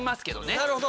なるほど。